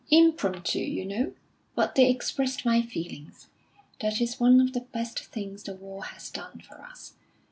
"Impromptu, you know; but they expressed my feelings. That is one of the best things the war has done for us.